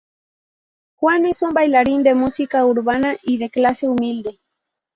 Juan es un bailarín de música urbana y de clase humilde.